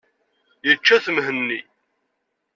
Yečča-t Mhenni.